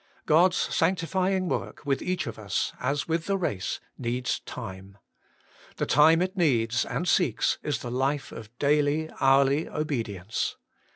God's sanctifying work with each of us, as with the race, needs time. The time it needs and seeks is the life of daily, hourly obedience.